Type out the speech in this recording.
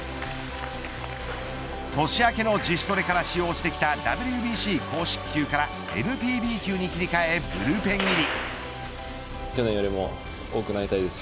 年明けの自主トレから使用してきたＷＢＣ公式球からＮＰＢ球に切り替えブルペン入り。